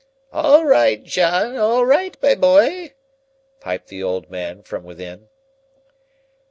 "All right, John; all right, my boy!" piped the old man from within.